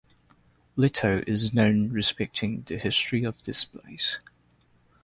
Little is known respecting the history of this place.